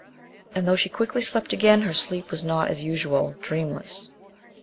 And though she quickly slept again, her sleep was not as usual, dreamless.